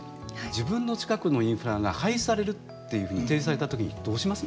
自分の近くのインフラが廃止されるっていうふうに提示された時にどうします？